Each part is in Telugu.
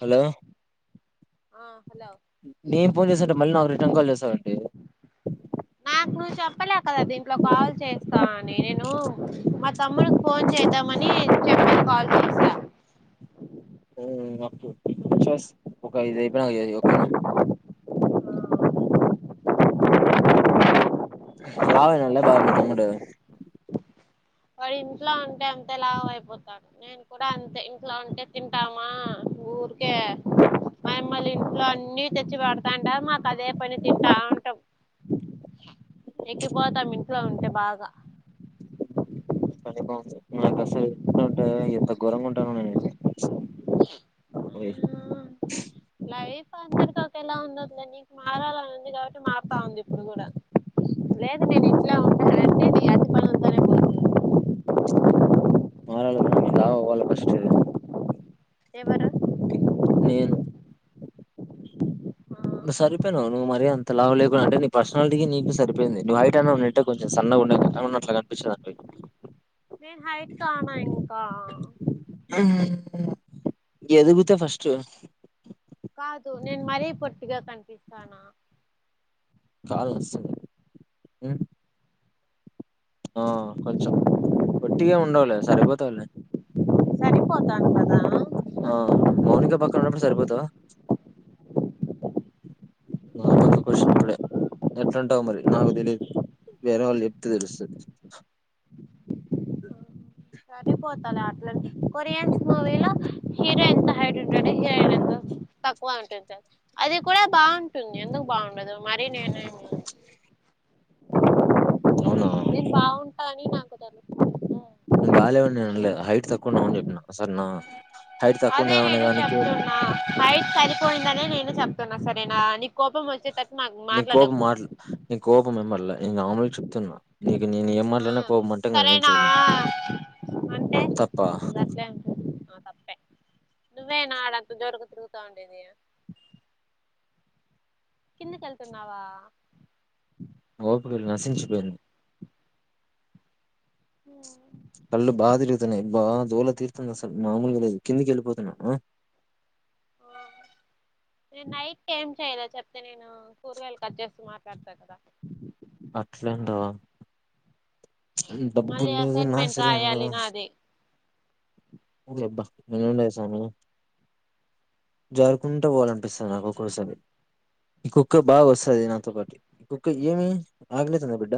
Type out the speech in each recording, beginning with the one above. హలో ఆ హలో నేను ఫోన్ చేస్తాంటే మళ్ళీ నాకు రిటర్న్ కాల్ చేస్సావేంటి నాకు నువ్వు చెప్పలే కదా దీంట్లో కాల్ చేస్తా అ నేను మా తమ్మునుకు ఫోన్ చేద్దామని నీకు చెప్పే కాల్ చేశా ఊ నాకు పిచ్చోస్ ఒక ఇది అయిపోయినాక చేయ్ ఓకే నా [unintelligible] మీ తమ్ముడు వాడు ఇంట్లో ఉంటే అంతే లావై పోతాడు, నేను కూడా అంతే ఇంట్లో ఉంటే తింటామా ఊరికే మా అమ్మ వాళ్ళ ఇంట్లో, అన్నీ తెచ్చి వెడతాంటాం మాకు అదే పని తింటాంటమ్ ఎక్కిపోతాం ఇంట్లో ఉంటే బాగ సరే నాకసలు [unintelligible] ఎత్తకు ఘోరంగా ఉంటాను నేనైతే ఉహ్ లైఫ్ అందరికీ ఒకేలా ఉండదులే నీకు మారాలనింది కాబట్టి మారుతా ఉంది ఇప్పుడు కూడా, లేదు నేను ఇట్లా ఉంటానంటే [inaudible] మారాల తల్లి లావుగావాల ఫస్ట్ ఎవరు నేనే నువ్ సరిపోయినావు నువ్వు మరీ అంత లావు లేకుండా అంటే నీ పర్సనాలిటికి నీకు సరిపోయింది, నువ్వు హైట్ అనే ఉంటే కొంచెం సన్నగా ఉన్నట్ల ఆ ఉన్నట్లా కనిపించేదానివి. నేన్ హైట్ కానా ఏమో హుం ఎదుగుతే ఫస్ట్ కాదు నేను మరీ పొట్టిగా కనిపిస్తానా కాద్ వషిని హ్మ్ ఆ కొంచెం పొట్టిగా ఉండవులే సరిపోతావులే సరిపోతాను కదా ఆ మౌనిక పక్కన ఉన్నప్పుడు సరిపోతావా నా పక్కకు వచ్చినప్పుడే ఎట్లాంటావు మరి నాకు తెలీయదు, వేరే వాళ్ళు చెప్తే తెలుస్తది. సరిపోతాలే అట్లనే కొరియన్స్ మూవీలో హీరోయిన్ ఎంత హైట్ ఉంటుంది, హీరోయిన్ ఎంత తక్కువ ఉంటుంది. అది కూడా బాగుంటుంది ఎందుకు బాగుండదు మరీ నేనేమి. అవునా ఆ నీన్కుదల్ నువ బాగాలేవ నేను హైట్ తక్కువ ఉన్నావ అని చెప్పినాను సార్ నా హైట్ తక్కువ అదే ఉన్నావు అనే నేను దానికి చెప్తున్నా హైట్ సరిపోయిందనే నేను చెప్ సరేనా అ కోప మచ్చ నీ కోపమా నీకోప మెమ్మల్ ఇంకా మామలుగా చెప్తున్నా నీ ఇ నేను ఏ ఆ మాట్నా కోవమంటే ఇ నేనేం సరేనా చేయలేను అంటే తప్ప అది అట్లే ఉంటుంది ఆ తప్పే నువ్వే నాడంత దర్కు తిరుగుతగండదీయా కిందిక వెళ్తున్నావా ఓపుపో నశించుపోయరు హ కళ్ళు బాగా తిరుగుతున్నాయి బాగా దోల తీరుతుంది అసలు మామూలుగా లేదు కిందికి వెళ్ళిపోతున్నా నేను నైట్ ఏం చేయలే చెప్తే నేను కూరగాయలు కట్ చేస్త మాట్లాడతా కదా అట్లంద హు డబ్బు మళ్ళీ లేదు నా అసైన్మెంట్ సిరం రాయాలి లేదు నాది ఒ యబ్బ యెనుండాయ సామి జారుకుంట పోవాలనిపిస్తాంది నాకు ఒక్కోసారి ఈ కుక్క బాగ వస్తాది నాతొ పాటి ఈ కుక్క యేమి ఆగలేతుందర బిడ్డ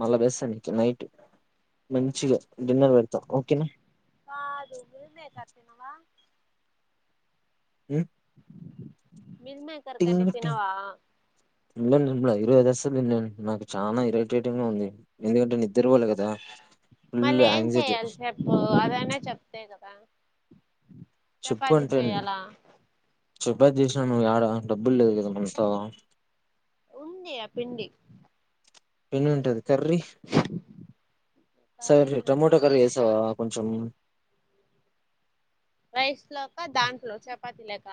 మళ్ళ వేస్త నీక్ నైట్ మంచిగ డిన్నర్ పెడత ఓకె నా కాదు రూమె కట్టినవ హమ్ మిల్మేకర్ టింగ్ కర్రీ తినవ ఈరోజ్ అసల్ నేన్ న నాకు చాన ఇరిటేటింగ్ గా ఉంది ఎందుకంటె నిద్దర పోలె కద మళ్ళె యేం చేయలి చెప్పు అదైనా చెప్తే కద చెప్పు అంటెన్ చెప్పె జేసిన్ నువ్ యేడ డబ్బుల్ లేద్ కద [unintelligible] ఉండి య పిండి పిన్ను ఉంటది కర్రీ సర్రె కర్రీనా టమోట కర్రీ వేస్తవ కొంచెం రైస్ లోక, దాంట్లొ చపతి లోక,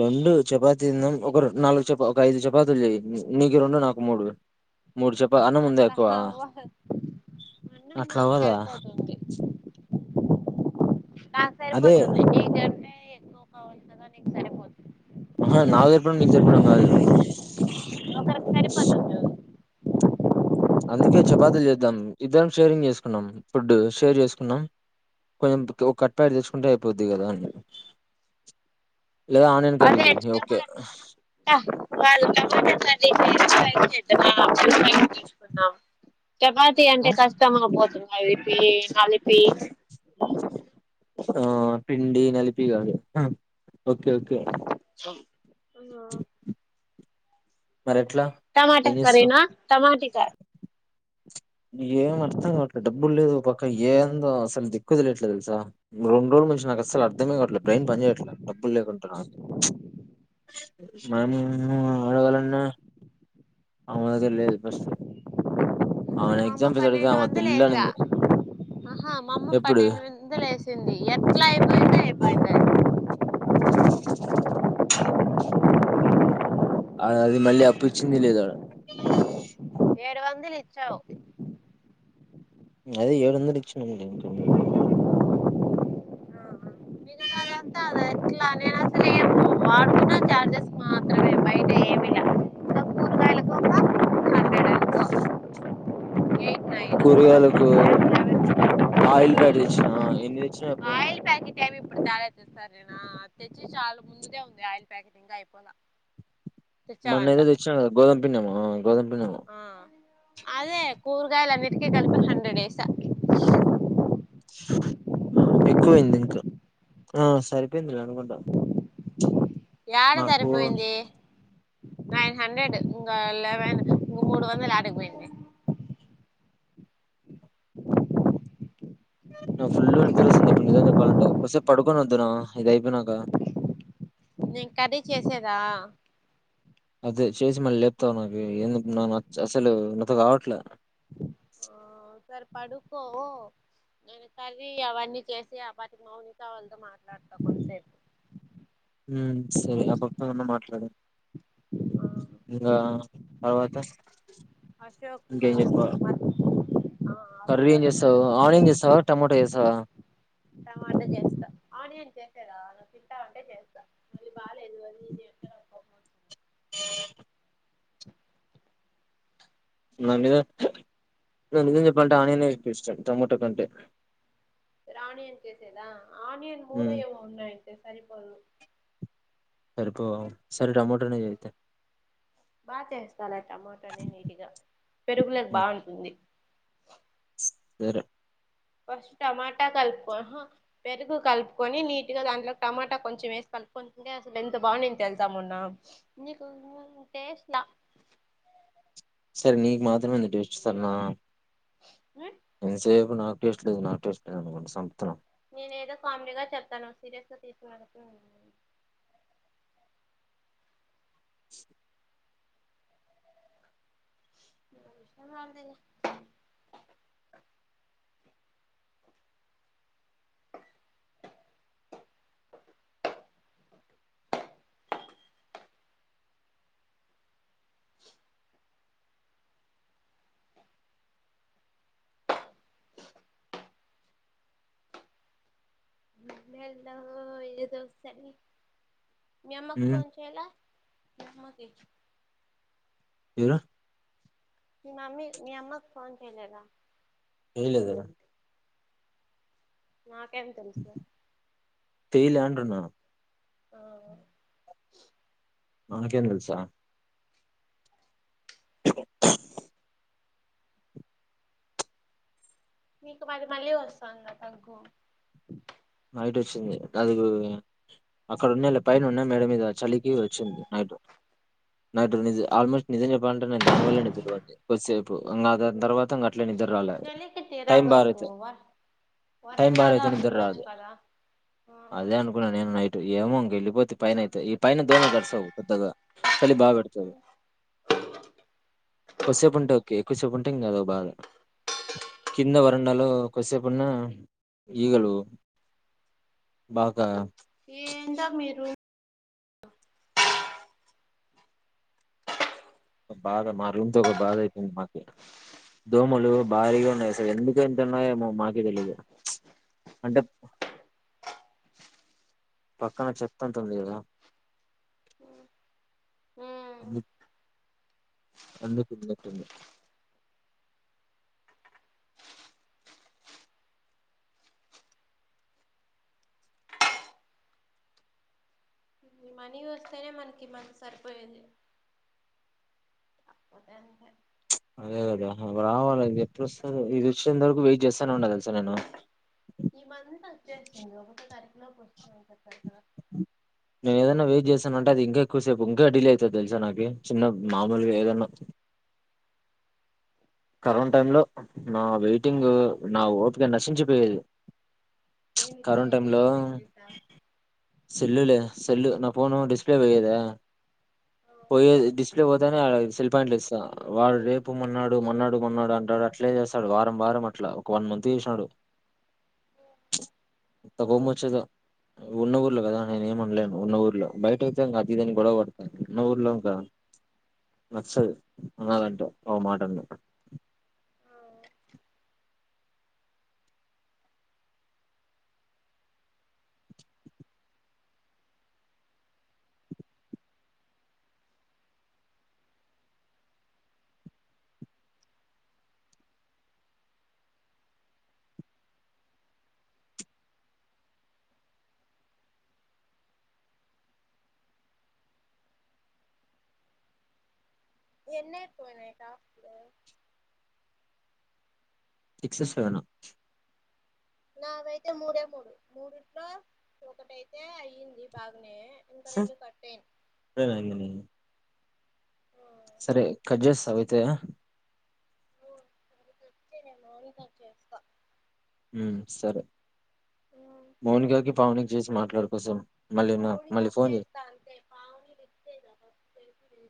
రెండు చపాతి తిన్నాం ఒక రెండు నాలుగు చపా ఒక ఐదు చపాతీలు చెయె నీకు రెండు నాకు మూడు మూడు చపా అన్నముందె అట్లా ఎక్కువ, అవ్వ అన్నం అట్లా నాకు అవ్వద- సరిపోతుంది నాకు సరిపోతుంది. యి జర్నీ, యే ఏక్కవ కావలి కదా నీకు సరిపోదు. అహ నాకు సరి పోవడం. నీకు సరిపోవడం కాదు, ఒకరికి సరిపోతుంది అందుకె చపాతీల్ చేద్దం. ఇద్దరం షేరింగ్ చేస్ కున్నం. ఫుడ్డు షేర్ చేస్ కున్నాం. కొంచెం తొ ఒ కట్ట ప్యాకెట్ తెచ్చుకుంటె అయిపోద్ది కదా అని. లేదా ఆనియన్ కర్రీ అదె చెయ్ ఓకే టమోట్ ట, వాళ్ళు టమోటకర్రి జేస్తె అయిజేద్దామ, నాకు తెలిసి ఎన్సి తీసుకున్నాం. చపాతి ఆ అంటె, కష్టమపోతుంది. యైతె కలిపి ఆ పిండి నలిప్, టీ గాదు హ ఓకె, ఓకె హ ఆ- మరి ఎట్లా టమాట ఏం చేస్తావ్ కర్రిన, టమాటి క? యేమ్ అర్థం కావట్లేద్, డబ్బుల్ లేదు ఓపక్క, యేం దొ అసల్ దిక్కు తెలియట్లేద్ తెల్ స, రెండు రోజుల నుంచి నాకు అస్సల అర్థమె కావట్లేద్ బ్రెయెన్ పనిచెయట్ల డబ్బులేకుంట, మేము అడగాలన్న ఆ మాదిరి లేదు పరిస్థితి, మామ్మ పన్నెండు దిల్ వందలేశ, అనింది ఆహా మామ్మ ఎప్పుడు పన్నెండు వెందెలేసింది యెట్ల అయిపోయిందె? అయిపో [inaudible] అది అది మళ్ళి, అప్పుయిచ్చింది లేదు ఆడ, ఏడు వందలు ఇచ్చవు నేన అదే అడువందలు ఇచ్చ నాన్ చ కూ న్న మిగతాదంతా అదే ఎట్లా నేను అసలు వాడుతున్నా చార్జెస్ మాత్రమే బయట ఏమి ఇంకా కూరగాయలలకు హండ్రెడ్ [inaudible] ఏ కూరగాయలకు ఆయిల్ ఫ్యాట్ తెచ్చిన ఎన్ని తెచ్చిన చెప్ చాలా తెస్తారు నేనా తెచ్చి చాలా ముందుదే ఉంది ఆయిల్ ప్యాకెట్ ఇంగ అయిపోలా మొన్న తెచ్చావంట ఏదో తెచ్చినా కదా గోధుమ పిండిమో గోధుమ పిండిమో ఆ అదే కూరగాయలు అన్నిటికి కలిపి హండ్రెడ్ వేస ఎక్కువైంది ఇంకా ఆ సరే అదే అనుకుంటాం యాడ నాకు సరిపోయింది నైన్ హండ్రెడ్ ఇంకా లెవన్ మూడు వంద పోంది [unintelligible] నాకు ఫుల్ నిద్ర వస్తుంది ఇప్పుడు నిజం చెప్పాలంటే కొద్దిసేపు పడుకొని వద్దునా ఇది అయిపోయినాక నేను కర్రీ చేసేదా. అదే చేసి మళ్ళీ లేపుతావు, నాకు ఎందుకు నా అసలు నాతో కావట్లే. సరి పడుకో. నేను కర్రీ అవన్నీ చేసి ఆ పక్క మౌనిక వాళ్ళతో మాట్లాడతా కొంతసేపు. ఉమ్ సరే ఆ పక్క ఉన్న మాట్లాడు ఇంకా తర్వాత అశోక్ ఇంకేం చెప్ప మ ఆ కర్రీ ఏం పిల్లోడు చేస్తావు, ఉన్నాడు ఆనియన్ చేస్తావా, టమాటా చేస్తావా. టమాటా చేస్తా ఆనియన్ నువ్వు తింటా అంటే చేస్తా మళ్ళీ బాగాలేదు. అది ఇది అంటే నాకు కోపం వ నా మీద ఇంకా నిజం చెప్పాలంటే ఆనియన్ ఎక్కువ ఇష్టం టమోటా కంటే. సరే ఆనియన్ చేసేదా. ఆనియన్ మూడ ఉమ్ ఏమో ఉన్నాయి, అంతే సరిపోదు. సరిపోవ సరే టమోటోనే చెయ్ అయితే బాగా చేస్తాలా టమాటాని నీటిగా పెరుగులోకి ఉమ్ బాగుంటుంది. సరే ఫస్ట్ టమాటా కలుపుకో, పెరుగు కలుపుకొని నీట్ గా దాంట్లో టమాటా కొంచెం వేసి కలుపుకుంటే అసలు ఎంత బాగుండేదో తెలుసా. మొన్న నీకు టేస్ట్ లా సరే నీకు మాత్రమే ఉంది టేస్ట్ సరే నా. అ ఎంత సేపు నాకు టేస్ట్ లేదు, నాకు టేస్ట్ లేదు అనీ చంపుతున్నావ్. నేను ఏదో కామెడీగా చెప్తాను. సీరియస్ గా తీసుకునే రకం. ఏదో [unintelligible] నెల ఏది వస్తాది. మీ అమ్మకి ఉమ్ ఫోన్ చేయలా మీ అమ్మకి మీరు మీ మమ్మీ మీ అమ్మకు ఫోన్ చేయలేదా. చేయలేదు ఎడా నాకేం తెలుసు తీయాలె అంటున్నా ఆ నాకేం తెల్ సా నీకు మళ్ మళ్ళీ వస్తాందిగా దగ్గు. అదిగో అక్కడ ఉన్న ఇలా పైన ఉన్న మేడ మీద చలికి వచ్చిన నైట్ నాకు నిజ ఆల్మోస్ట్ నిజం చెప్పాలంటే నేను దాని వల్ల నిద్రపోత కొద్ సేపు. గంగాధర్ తర్వాత్ మొత్తంగా అట్లే నిద్ర రాలేదు. చలికి టైం బ్యాడ్ తిరగకు అయితే వ టైం బ్యాడ్ వరండాలో అయితే నిద్ర రాదు. అట్లుండొచ్చు కదా అదే ఆ అనుకున్నాను నేను నైట్ ఏమో వెల్లిపోతే పైన అయితే ఈ పైన దోమలు కర్సావు పెద్దగా చలి బాగా పెడుతుంది. కొసేపు ఉంట ఓకే ఎక్కువసేపు ఉం ఇంగదో బాద కింద వరండాలో కొస్సేపున్నా ఈగలు బాగా ఏంటో మీరు బాగ మారూమ్ తో ఒక బాధ అయితుంది మాకి. దోమలు భారీగా ఉన్నాయి సలు ఎందుకు ఎంతున్నాయో ఏమో మాకే తెలీదు. అంటే పక్కన చెత్త అంత ఉంది కదా అందుకొచ్చినట్టున్నయ్ ఈ మనీ వస్తేనే మనకి మరి సరిపోయేది [unintelligible] అంతె అదేగదా రావాలి ఇంగ ఎప్పుడు వస్తదో ఇది వచ్చేంత వరకు వెయిట్ చేస్తనే ఉంటా తెలుసా నేను ఈ మంత్ వచ్చేస్తుంది ఒకటో తారీకు ఈ లోపు వస్తదంట దగ్గర నేను ఏదైనా వెయిట్ చేస్తానంటే అది ఇంకా ఎక్కువసేపు ఇంకా డిలే అయితది తెలుసా నాకీ చిన్న మామూలుగా ఏదన్నా కరోన టైంలో నా వెయిటింగ్ నా ఓపిక నశించిపోయేది దేనికి కరోన టైమ్ లో దేనికి వెయిట్ చేసావ్ సెల్లులేద్ సెల్ నా ఫోను డిస్ ఎ వెయదా పోయేది డిస్ప్లే పోతే అ సెల్ పాయింట్లొ ఇస్తా వాడు రేపు మొన్నాడు మొన్నాడు అంటాడు అట్లే చేస్ తడు వారం వారం అట్లా ఒక వన్ మంత్ జేసినాడు. ఎంత గోప్మ్ వచ్చేదో. ఉన్న ఊర్లో కదా నేను ఏమనలేను ఉన్న ఊర్లో. బయటైతే ఇంకా అదీదని గొడవ పడతుండె ఉన్న ఊర్లో ఇంకా నచ్చదు అదంట ఆ మాటని ఎన్నైపోనయ్ టాప్లు సిక్స్ సెవను నాగైతే మూడే మూడు మూడిట్లో ఒకటయితే అయ్యింది బాగ్ [unintelligible] సరే కట్ జెస్తావయితే [unintelligible] ఉమ్ సరే మౌనికాకి పావనికి చేసి మాట్ ఎవరి కోసం మళ్ళీ నా మళ్ళీ మౌనికాక్ ఫోన్ చేయి చేస్తా అంతే పావనీ లిఫ్ట్ చేయదు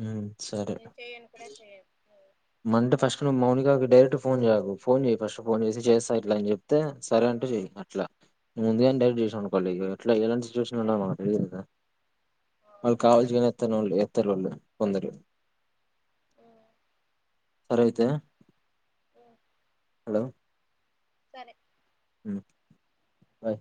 హ్మ్. నేను చెయను కూడా చెయన్ మంటే ఫస్ట్ నువ్ మౌనికాకి డైరెక్ట్ ఫోన్ చేయకు ఫోన్ చెయి ఫస్ట్ ఫోన్ చేసి చేస్తా ఇట్లా అని చెప్తే సరే అంటే చెయి అట్లా. ముందుగాని డైరెక్ట్ చేసానుకోవు అట్లా ఎలాంటి సిచువేషన్లో ఉందో మనక్ తెలీదు కదా వాళ్ళు కావాల్సి [unintelligible] [inaudible] సరే అయితే హలో సరే ఉమ్ బాయ్